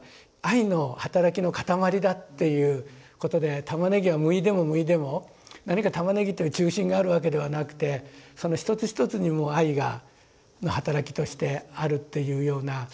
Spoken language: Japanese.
愛の働きの塊りだっていうことで玉ねぎはむいでもむいでも何か玉ねぎという中心があるわけではなくてその一つ一つにも愛が働きとしてあるというような。